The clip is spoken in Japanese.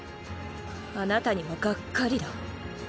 あなたにはがっかりだわ。